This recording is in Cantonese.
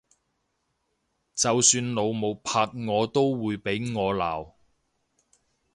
就算老母拍我都會俾我鬧！